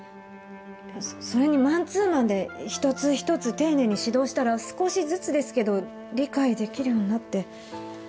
それにマンツーマンで一つ一つ丁寧に指導したら少しずつですけど理解できるようになって。